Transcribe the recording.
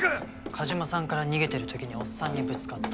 梶間さんから逃げてる時におっさんにぶつかった。